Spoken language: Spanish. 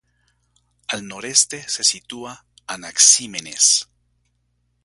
Al noreste se sitúa Anaxímenes.